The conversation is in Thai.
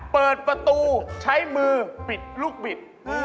เปิดประตูใช้มือปิดลูกบิด